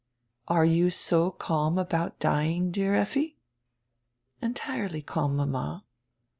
"Are you so calm about dying, dear Lffi?" "Entirely calm, mama."